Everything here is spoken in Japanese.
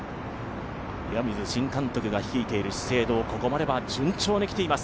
岩水新監督が率いている資生堂、ここまでは順調に来ています。